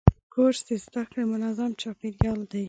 کورس د زده کړې منظم چاپېریال دی.